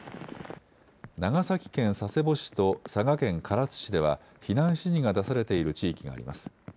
長崎県佐世保市と佐賀県唐津市では避難指示が出されている地域があります。